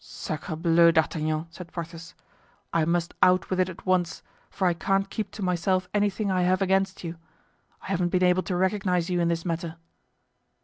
"Sacrebleu! D'Artagnan," said Porthos, "I must out with it at once, for I can't keep to myself anything I have against you; I haven't been able to recognize you in this matter."